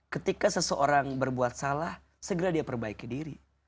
ketika seseorang berbuat salah segera dia perbaiki diri